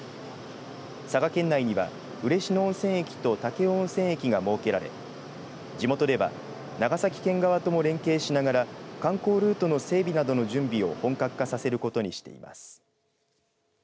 佐賀県内には嬉野温泉駅と武雄温泉駅が設けられ地元では長崎県側とも連携しながら観光ルートの整備などの準備を本格化させることにしています。